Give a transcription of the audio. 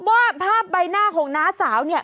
ว่าภาพใบหน้าของน้าสาวเนี่ย